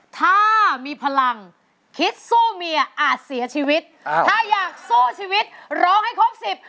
ถ้ามีพลังคิดสู้เมียอาจเสียชีวิตอ่าถ้าอยากสู้ชีวิตร้องให้ครบสิบ